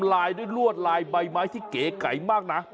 ลายด้วยลวดลายใบไม้ที่เก๋ไก่มากนะ